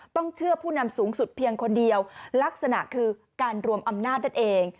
ต้องเชื่อผู้นำสูงสุดเพียงคนเดียวลักษณะคือการรวมอำนาจนั่นเอง